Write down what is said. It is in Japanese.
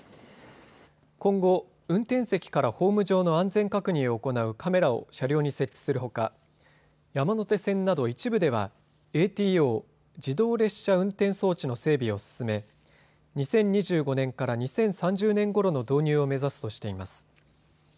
今後、運転席からホーム上の安全確認を行うカメラを車両に設置するほか山手線など一部ではＡＴＯ・自動列車運転装置の整備を進め、２０２５年から２０３０年ごろの導入を目指すとしています。